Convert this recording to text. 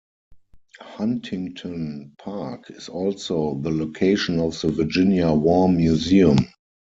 Huntington Park is also the location of the Virginia War Museum.